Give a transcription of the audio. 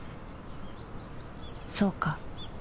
そうか